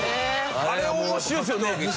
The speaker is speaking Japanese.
あれは面白いですよね。